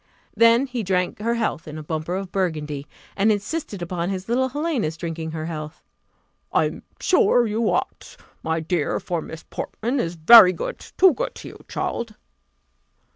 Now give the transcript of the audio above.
Then he drank her health in a bumper of burgundy, and insisted upon his little Helena's drinking her health. "I am sure you ought, my dear, for Miss Portman is very good too good to you, child."